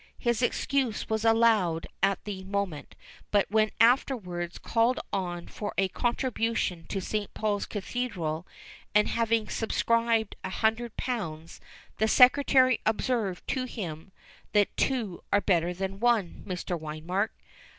His excuse was allowed at the moment; but when afterwards called on for a contribution to St. Paul's Cathedral, and having subscribed a hundred pounds, the Secretary observed to him, that "two are better than one, Mr. Wiemark!"